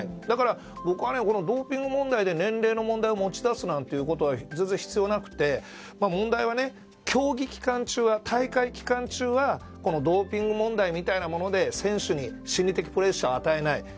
だから、僕はドーピング問題で年齢の問題を持ち出すってことは全然必要なくて、問題は大会期間中はドーピング問題みたいなもので選手に心理的プレッシャーを与えない。